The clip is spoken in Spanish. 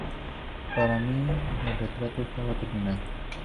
Para mí, el retrato estaba terminado.